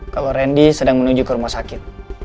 kalau randy sedang menuju ke rumah sakit